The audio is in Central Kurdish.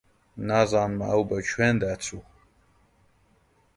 نازانم ئەو بە کوێندا چوو.